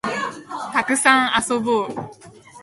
たくさん遊ぼう